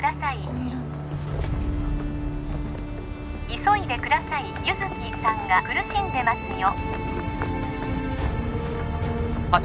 紺色の急いでください優月さんが苦しんでますよあった！